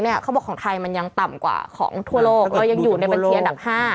เขาบอกว่าของไทยมันยังต่ำกว่าของทั่วโลกแล้วยังอยู่ในเป็นเทียนดับ๕